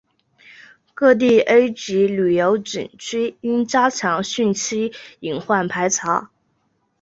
各地 A 级旅游景区应加强汛期隐患排查